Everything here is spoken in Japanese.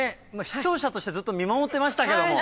視聴者としてずっと見守ってましたけども。